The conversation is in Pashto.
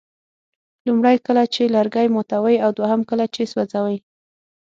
لومړی کله چې لرګي ماتوئ او دوهم کله چې سوځوئ.